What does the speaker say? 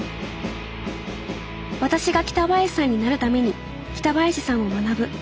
私が北林さんになるために北林さんを学ぶ。